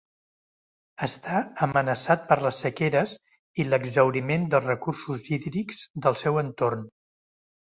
Està amenaçat per les sequeres i l'exhauriment dels recursos hídrics del seu entorn.